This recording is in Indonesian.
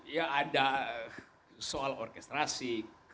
ya ada soal orkestrasi